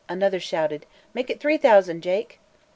Another shouted: "Make it three thousand, Jake!"